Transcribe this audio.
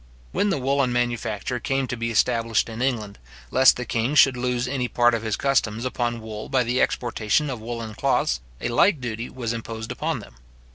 When the woollen manufacture came to be established in England, lest the king should lose any part of his customs upon wool by the exportation of woollen cloths, a like duty was imposed upon them.